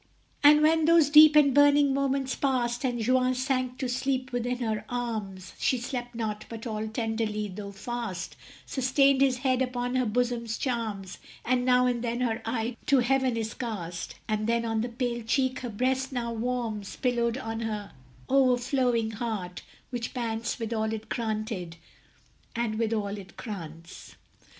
And when those deep and burning moments passed, And Juan sank to sleep within her arms, She slept not, but all tenderly, though fast, Sustained his head upon her bosom's charms; And now and then her eye to heaven is cast, And then on the pale cheek her breast now warms, Pillowed on her o'erflowing heart, which pants With all it granted, and with all it grants.